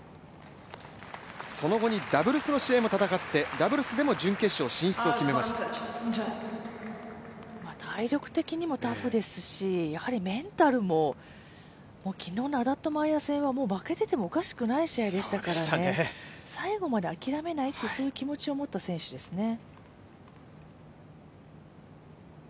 その後にダブルスの試合も戦って、ダブルスでも体力的にもタフですし、メンタルも昨日のアダッド・マイア戦は負けていてもおかしくない試合でしたから、最後まであきらめないという気持ちを持った選手ですね。